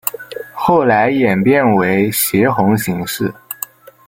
后来演变为斜红型式。